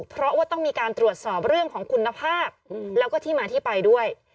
เพราะว่าต้องมีการตรวจสอบเรื่องของคุณภาพแล้วก็ที่มาที่ไปด้วย